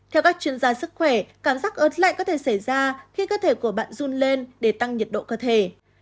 theo các chuyên gia sức khỏe cảm giác ớt lại có thể xảy ra khi cơ thể của bạn run lên để tăng nhiệt độ cơ thể